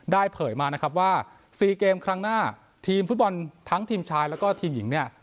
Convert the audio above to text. เผยมานะครับว่า๔เกมครั้งหน้าทีมฟุตบอลทั้งทีมชายแล้วก็ทีมหญิงเนี่ย